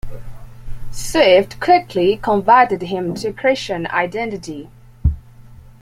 Swift quickly converted him to Christian Identity.